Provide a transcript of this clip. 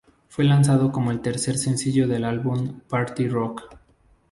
Fue lanzado como el tercer sencillo del álbum "Party Rock".